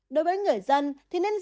đối với người dân thì nên giải quyết